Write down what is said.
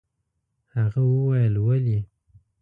هغه وويل: ولې؟